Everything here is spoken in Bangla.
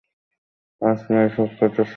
পাঁচ মেয়ে সব কটার চেহারা খারাপ।